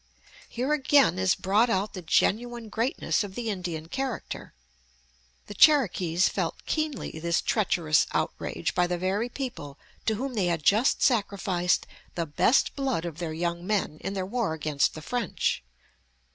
Here again is brought out the genuine greatness of the Indian character. The Cherokees felt keenly this treacherous outrage by the very people to whom they had just sacrificed the best blood of their young men in their war against the French.